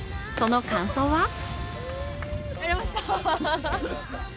その感想は？